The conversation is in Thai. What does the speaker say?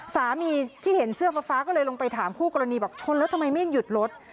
สามีที่เห็นเสื้อฟ้าก็เลยลงไปถามคู่กรณีบอกชนแล้วทำไมไม่หยุดรถ